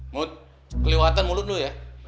mut kelewatan mulut lo ya